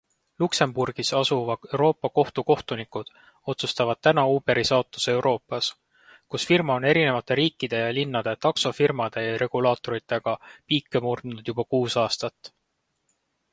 Luxemburgis asuva Euroopa kohtu kohtunikud otsustavad täna Uberi saatuse Euroopas, kus firma on erinevate riikide ja linnade taksofirmade ja regulaatoritega piike murdnud juba kuus aastat.